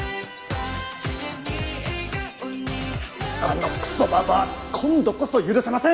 あのクソババア今度こそ許せません！